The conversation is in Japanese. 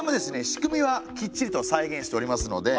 仕組みはきっちりと再現しておりますので。